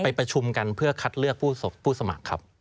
ประชุมกันเพื่อคัดเลือกผู้สมัครครับ